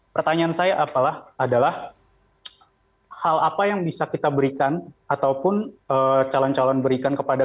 pertanyaan saya apalah adalah hal apa yang bisa kita berikan ataupun calon calon berikan kepada